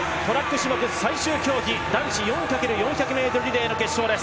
種目最終競技男子４×４００ｍリレーの決勝。